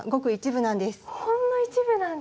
ほんの一部なんですね。